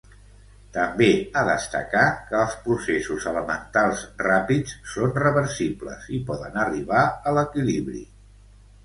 També a destacar, que els processos elementals ràpids són reversibles i poden arribar a l'equilibri.